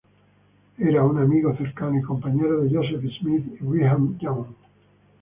Era un amigo cercano y compañero de Joseph Smith y Brigham Young.